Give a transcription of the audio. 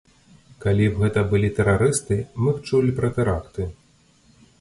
Калі б гэта былі тэрарысты, мы б чулі пра тэракты.